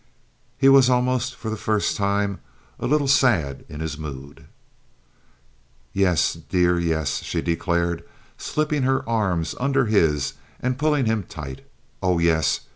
He was almost, for the first time, a little sad in his mood. "Yes, dear, yes," she declared, slipping her arms under his and pulling him tight. "Oh, yes!